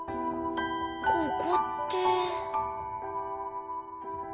ここって。